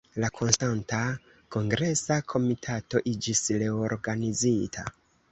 La Konstanta Kongresa Komitato iĝis reorganizita.